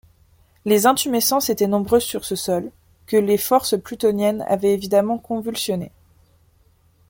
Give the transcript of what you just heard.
Les intumescences étaient nombreuses sur ce sol, que les forces plutoniennes avaient évidemment convulsionné.